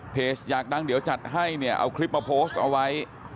อยากดังเดี๋ยวจัดให้เนี่ยเอาคลิปมาโพสต์เอาไว้